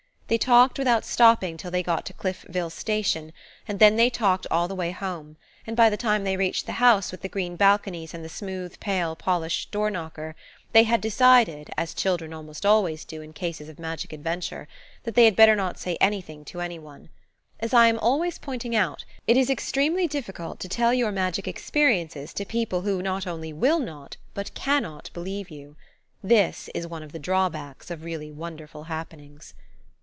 They talked without stopping till they got to Cliffville Station, and then they talked all the way home, and by the time they reached the house with the green balconies and the smooth, pale, polished door knocker they had decided, as children almost always do in cases of magic adventure, that they had better not say anything to any one. As I am always pointing out, it is extremely difficult to tell your magic experiences to people who not only will not, but cannot believe you. This is one of the drawbacks of really wonderful happenings.